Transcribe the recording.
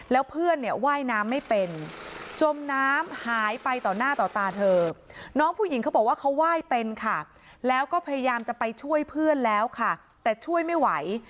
แล้วเพื่อนเนี่ยว่ายน้ำไม่เป็นจมน้ำหายไปต่อหน้าต่อตาเธอน้องผู้หญิงเขาบอกว่าเขาไหว้เป็นค่ะแล้วก็พยายามจะไปช่วยเพื่อนแล้วค่ะแต่ช่วยไม่ไหว